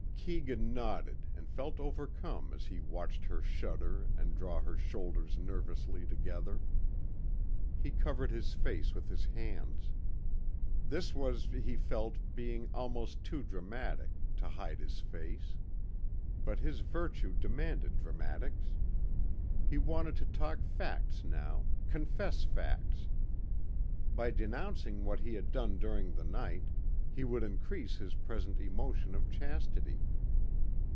Keegan nodded and felt overcome as he watched her shudder and draw her shoulders nervously together. He covered his face with his hands. This was, he felt, being almost too dramatic to hide his face. But his virtue demanded dramatics. He wanted to talk facts now, confess facts. By denouncing what he had done during the night he would increase his present emotion of chastity.